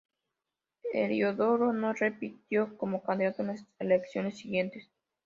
Heliodoro no repitió como candidato en las elecciones siguientes.